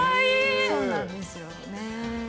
そうなんですよね。